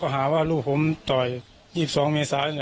หาว่าลูกผมต่อย๒๒เมษา